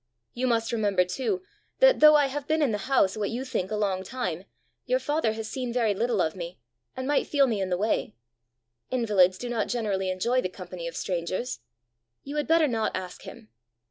You must remember, too, that though I have been in the house what you think a long time, your father has seen very little of me, and might feel me in the way: invalids do not generally enjoy the company of strangers. You had better not ask him."